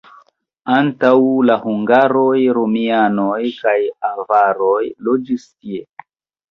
Antaŭ la hungaroj romianoj kaj avaroj loĝis tie.